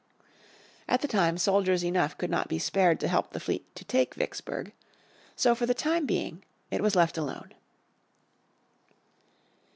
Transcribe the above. At the time soldiers enough could not be spared to help the fleet to take Vicksburg. So for the time being it was left alone.